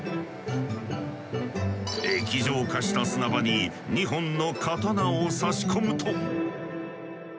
液状化した砂場に２本の刀を差し込むと。